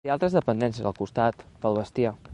Té altres dependències al costat, pel bestiar.